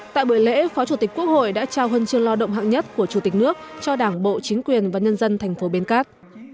tại buổi lễ phó chủ tịch quốc hội đã trao hân chương lo động hạng nhất của chủ tịch nước cho đảng bộ chính quyền và nhân dân thành phố bến cát